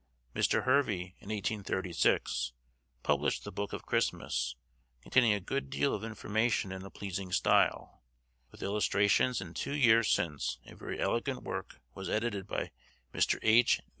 Mr. Hervey, in 1836, published the 'Book of Christmas,' containing a good deal of information in a pleasing style, with illustrations; and two years since a very elegant work was edited by Mr. H.